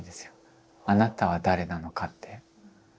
あなたは誰なのかって。